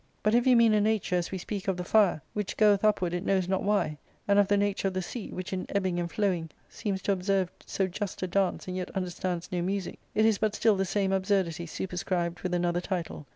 But if you mean a nature, as we speak of the fire, which goeth upward it knows not why, and of the nature of the sea, which in ebbing and flowing seems to observe so just a dance and yet understands no music, it is but still the same absurdity superscribed with another title.